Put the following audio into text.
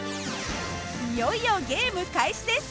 いよいよゲーム開始です。